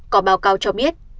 có báo cáo cho biết